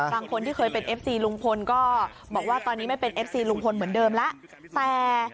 บางคนที่เคยเป็นเอฟซีลุงพลก็บอกว่าตอนนี้ไม่เป็นเอฟซีลุงพลเหมือนเดิมแล้วแต่